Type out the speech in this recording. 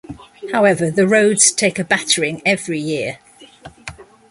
However, the roads take a battering every year.